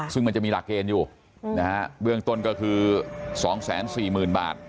ซึ่งมันจะมีหลักเกณฑ์อยู่นะฮะเบื้องต้นก็คือ๒๔๐๐๐บาท